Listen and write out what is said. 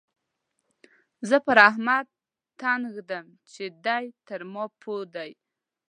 زه پر احمد تن اېږدم چې دی تر ما پوه دی.